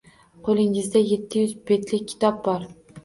Qo‘lingizda yetti yuz betlik kitob bor.